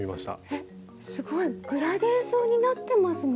えっすごいグラデーションになってますね。